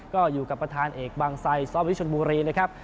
ก็อยู่กับประธานเอกบางไซซอฟวิชนบุรีนะครับ